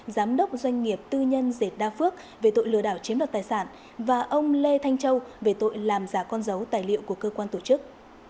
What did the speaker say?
giám đốc doanh nghiệp tư nhân dệt đa phước về tội lừa đảo chiếm đoạt tài sản và ông lê thanh châu về tội làm giả con dấu tài liệu của cơ quan tổ chức